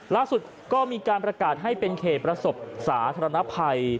ล่าสุดก็มีการประกาศให้เป็นเขตประสบสาธารณภัย